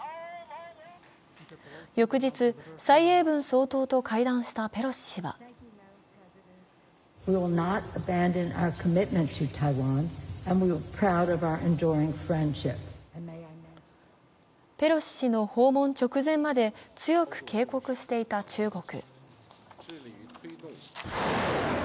翌日、蔡英文総統と会談したペロシ氏はペロシ氏の訪問直前まで強く警告していた中国。